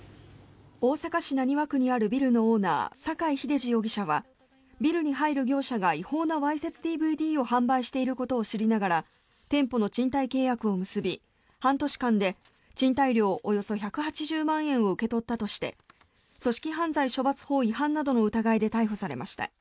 大阪市浪速区にあるビルのオーナー酒井秀次容疑者はビルに入る業者が違法なわいせつＤＶＤを販売していることを知りながら店舗の賃貸契約を結び半年間で賃貸料およそ１８０万円を受け取ったとして組織犯罪処罰法違反などの疑いで逮捕されました。